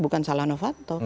bukan salah novanto